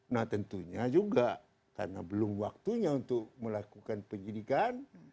nah tentunya juga karena belum waktunya untuk melakukan penyidikan